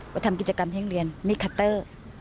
ทำกิจกรรมที่โรงเรียนมิคัตเตอร์